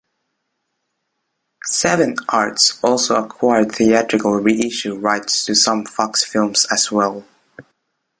Seven Arts also acquired theatrical reissue rights to some Fox films as well.